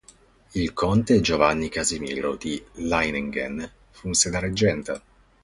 Il conte Giovanni Casimiro di Leiningen funse da reggente.